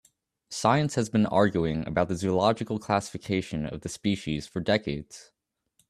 Science has been arguing about the zoological classification of the species for decades.